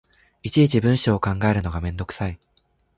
いちいち文章を考えるのがめんどくさい